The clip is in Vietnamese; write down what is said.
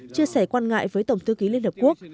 chia sẻ quan ngại với tổng thư ký liên hợp quốc